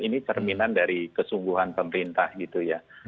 ini cerminan dari kesungguhan pemerintah gitu ya